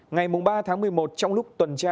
ngày ba một mươi một trong lúc tuần tra